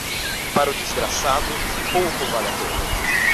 Para o desgraçado, pouco vale a pena.